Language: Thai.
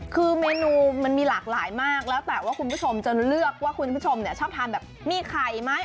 คือเมนูมันมีหลากหลายมากแล้วแต่ว่าคุณผู้ชมจะเลือกว่าคุณผู้ชมชอบทานแบบมีไข่ไหม